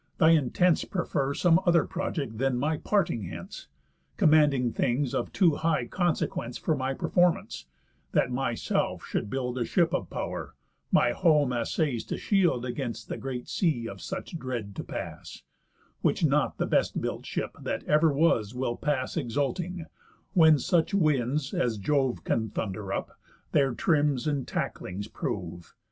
Thy intents prefer Some other project than my parting hence, Commanding things of too high consequence For my performance, that myself should build A ship of pow'r, my home assays to shield Against the great sea of such dread to pass; Which not the best built ship that ever was Will pass exulting, when such winds, as Jove Can thunder up, their trims and tacklings prove.